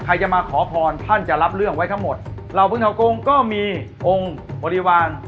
ใครจะมาขอพรท่านจะรับเรื่องไว้ทั้งหมดเหล่าพึ่งเทาโกงก็มีองค์บริวาร